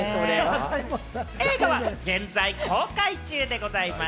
映画は現在公開中でございます。